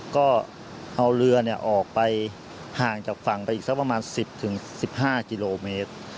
ก็เอาเรือออกไปห่างจากฝั่งไปอีกสักประมาณ๑๐๑๕กิโลเมตร